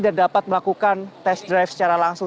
dan dapat melakukan test drive secara langsung